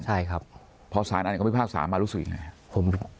ใช่ครับเพราะสะล้านอ่ะก็ไม่พรากษามันรู้สึกน์ยังไงผม